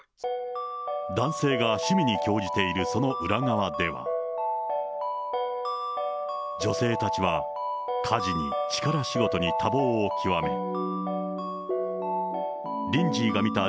男性が趣味に興じている、その裏側では、女性たちは家事に力仕事に多忙を極め、